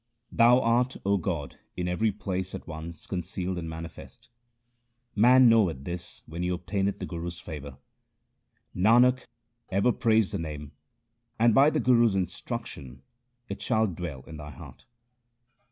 Thou art, O God, in every place at once concealed and manifest. Man knoweth this when he obtaineth the Guru's favour. Nanak, ever praise the Name, and by the Guru's instruc tion it shall dwell in thy heart.